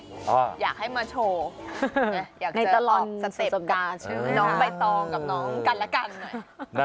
อ้าวอยากให้มาโชว์อยากจะออกสเต็ปน้องใบตองกับน้องกันและกันหน่อย